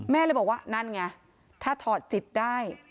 แม่เลยบอกว่านั่นไงถ้าถอดจิตได้